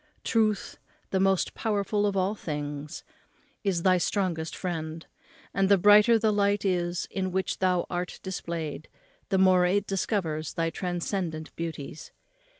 Truth, the most powerful of all things, is thy strongest friend; and the brighter the light is in which thou art displayed, the more it discovers thy transcendent beauties.